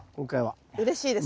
うれしいです何か。